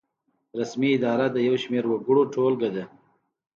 رسمي اداره د یو شمیر وګړو ټولګه ده.